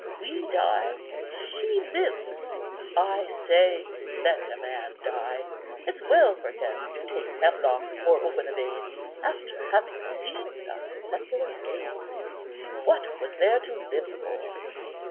We die, she lives. I say, let a man die. It's well for him to take hemlock, or open a vein, after having seen the Secular Games. What was there to live for?